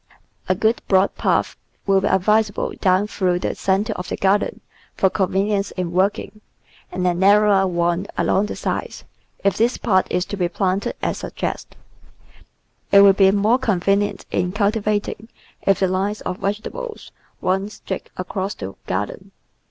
A good broad path will be advisable down through the centre of the garden for convenience in working, and a narrower one along the sides, if this part is to be planted as suggested. It will be more convenient in cultivating if the lines of vege PLANNING THE GARDEN tables run straight across the garden.